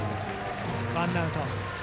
ワンアウト。